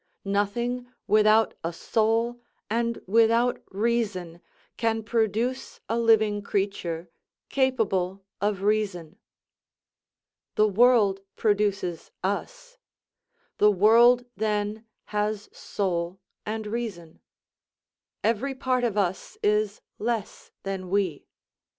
Nothing without a soul and without reason can produce a living creature capable of reason. The world produces us, the world then has soul and reason. Every part of us is less than we.